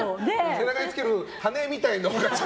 背中につける羽根みたいなの。